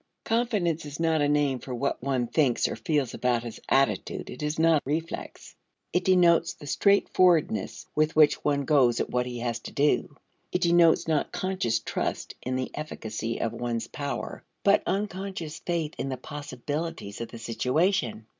Confidence is not a name for what one thinks or feels about his attitude it is not reflex. It denotes the straightforwardness with which one goes at what he has to do. It denotes not conscious trust in the efficacy of one's powers but unconscious faith in the possibilities of the situation.